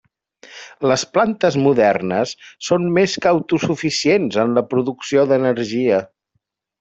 Les plantes modernes són més que autosuficients en la producció d'energia.